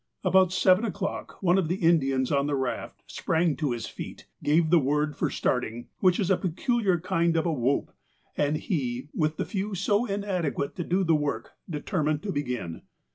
"About seven o'clock, one of the Indians on the raft sprang to his feet, gave the word for starting, which is a peculiar kind of a whoop, and he, with the few so inadequate to do the work, determined to begin.